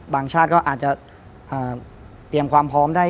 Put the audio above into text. ชาติก็อาจจะเตรียมความพร้อมได้